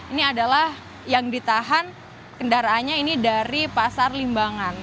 ini adalah yang ditahan kendaraannya ini dari pasar limbangan